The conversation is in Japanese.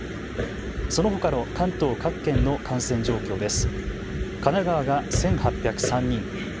そのほかの関東各県の感染状況です。